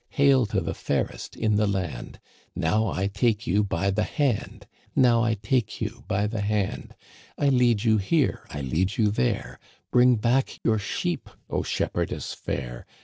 (Hail to the fairest m the land !)•* Now I take you by the hand. (Now I take you by the hand.) I lead you here, I lead you there ; Bring back your sheep, O shepherdess fair.